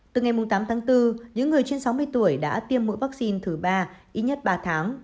từ ngày tám tháng bốn những người trên sáu mươi tuổi đã tiêm mũi vaccine thứ ba ít nhất ba tháng